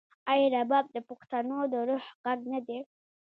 آیا رباب د پښتنو د روح غږ نه دی؟